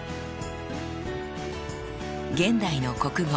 「現代の国語」